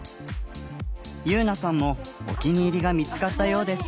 結菜さんもお気に入りが見つかったようです。